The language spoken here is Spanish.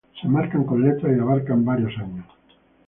Se marcan con letras y abarcan varios años.